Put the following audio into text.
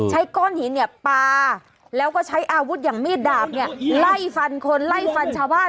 ใช้ก้อนหินเนี่ยปลาแล้วก็ใช้อาวุธอย่างมีดดาบเนี่ยไล่ฟันคนไล่ฟันชาวบ้าน